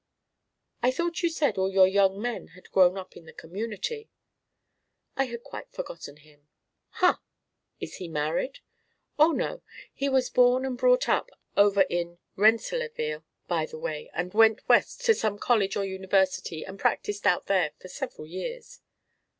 "I thought you said all your young men had grown up in the community." "I had quite forgotten him." "Ha! Is he married?" "Oh, no. And he was born and brought up over in Rennselaerville, by the way, but went West to some college or university and practised out there for several years."